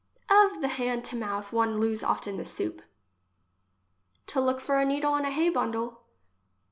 Of the hand to mouth, one lose often the soup. To look for a needle in a hay bundle.